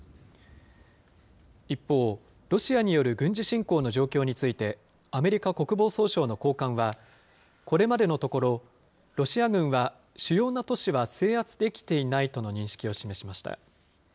一方、ロシアによる軍事侵攻の状況について、アメリカ国防総省の高官は、これまでのところ、ロシア軍は主要な都市は制圧できていないとの認識を示しました。